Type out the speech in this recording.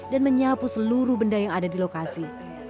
dan menyapu seluruh benda yang ada di lokasi